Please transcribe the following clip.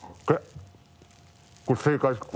これ正解ですか？